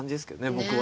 僕は。